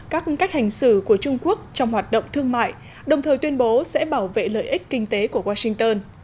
các cách hành xử của trung quốc trong hoạt động thương mại đồng thời tuyên bố sẽ bảo vệ lợi ích kinh tế của washington